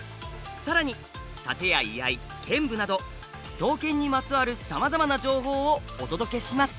さらに殺陣や居合剣舞など刀剣にまつわるさまざまな情報をお届けします！